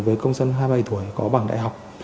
với công dân hai mươi bảy tuổi có bảng đại học